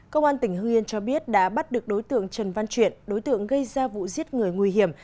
công an tỉnh hương yên cho biết đã bắt được đối tượng trần văn chuyện đối tượng gây ra vụ giết người nguy hiểm